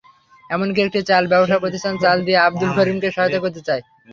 এমনকি একটি চাল ব্যবসাপ্রতিষ্ঠান চাল দিয়ে আবদুল করিমকে সহায়তা করতে চায়।